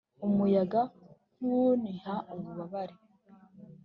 umuyaga, nkuwuniha ububabare